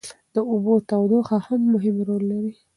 د اوبو تودوخه هم مهم رول لري.